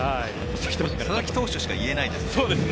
佐々木投手しか言えないですよね。